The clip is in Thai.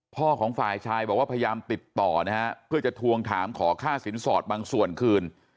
พ่อของฝ่ายชายบอกว่าพยายามติดต่อนะฮะเพื่อจะทวงถามขอค่าสินสอดบางส่วนคืน